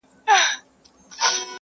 د دې شهید وطن په برخه څه زامن راغلي!.